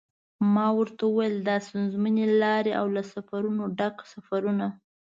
ما ورته و ویل دا ستونزمنې لارې او له خطرونو ډک سفرونه.